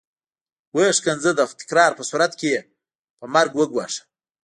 ويې ښکنځه د تکرار په صورت کې يې په مرګ وګواښه.